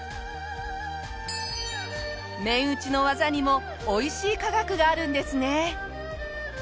麺打ちの技にも美味しい科学があるんですね。